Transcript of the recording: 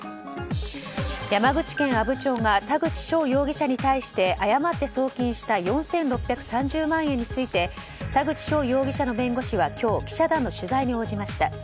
山口県阿武町が田口翔容疑者に対して誤って送金した４６３０万円について田口翔容疑者の弁護士は今日記者団の取材に応じました。